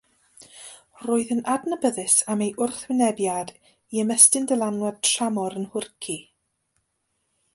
Roedd yn adnabyddus am ei wrthwynebiad i ymestyn dylanwad tramor yn Nhwrci.